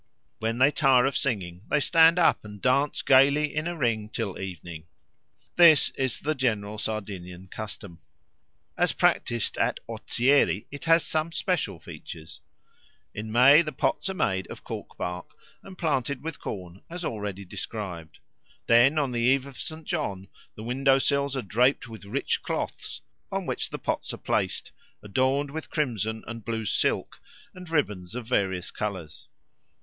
When they tire of singing they stand up and dance gaily in a ring till evening. This is the general Sardinian custom. As practised at Ozieri it has some special features. In May the pots are made of cork bark and planted with corn, as already described. Then on the Eve of St. John the window sills are draped with rich cloths, on which the pots are placed, adorned with crimson and blue silk and ribbons of various colours.